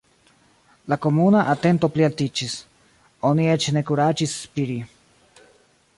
La komuna atento plialtiĝis; oni eĉ ne kuraĝis spiri.